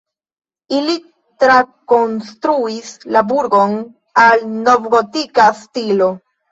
Ili trakonstruis la burgon al novgotika stilo.